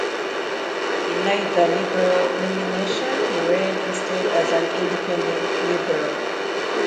Denied the Liberal nomination, he ran instead as an "Independent Liberal".